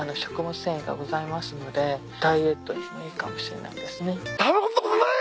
繊維がございますのでダイエットにもいいかもしれないですね。